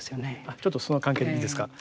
ちょっとその関係でいいですかはい。